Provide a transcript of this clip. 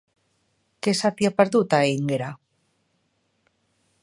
Què se t'hi ha perdut, a Énguera?